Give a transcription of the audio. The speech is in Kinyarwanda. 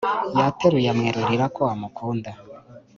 yateruye amwerurira ko amukunda